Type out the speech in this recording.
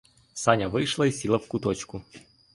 Саня вийшла й сіла в куточку.